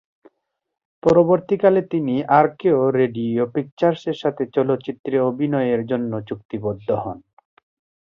পরবর্তীকালে তিনি আরকেও রেডিও পিকচার্সের সাথে চলচ্চিত্রে অভিনয়ের জন্য চুক্তিবদ্ধ হন।